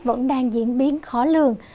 vẫn đang diễn biến khó lường